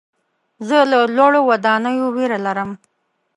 زه له لوړو ودانیو ویره لرم.